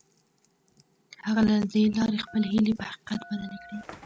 هغه له دې لارې خپلې هيلې په حقيقت بدلې کړې.